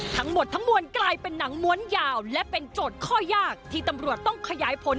ทั้งหมดทั้งมวลกลายเป็นหนังม้วนยาวและเป็นโจทย์ข้อยากที่ตำรวจต้องขยายผล